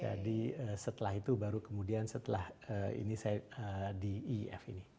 jadi setelah itu baru kemudian setelah ini saya di iif ini